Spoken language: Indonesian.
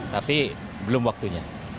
tapi belum waktunya